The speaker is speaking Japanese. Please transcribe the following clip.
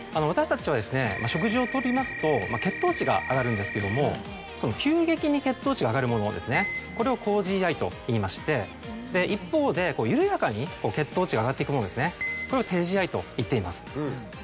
私たちは食事を取りますと血糖値が上がるんですけども急激に血糖値が上がるものをこれを高ＧＩといいまして一方で緩やかに血糖値が上がっていくものをこれを低ＧＩといっています。